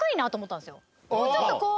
もうちょっとこう。